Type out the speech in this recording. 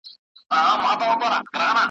ژوند به جهاني پر ورکه لار درڅخه وړی وي `